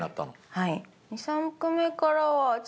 はい。